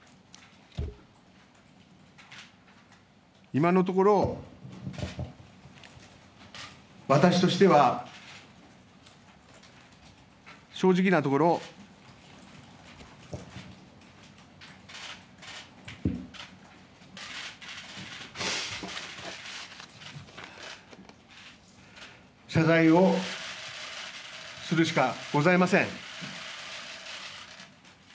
今のところ私としては正直なところ謝罪をするしかございません。